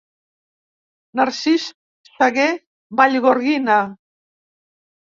Narcís Saguer, Vallgorguina.